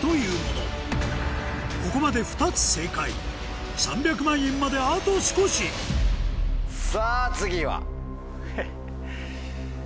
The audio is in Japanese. ここまで２つ正解３００万円まであと少しさぁ次は？